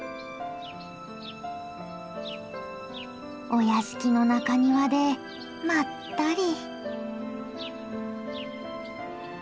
お屋敷の中庭でまったり。